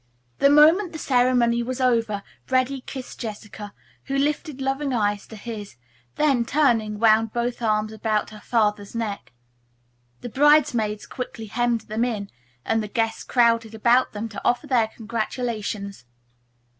The moment the ceremony was over Reddy kissed Jessica, who lifted loving eyes to his, then, turning, wound both arms about her father's neck. The bridesmaids quickly hemmed them in and the guests crowded about them to offer their congratulations.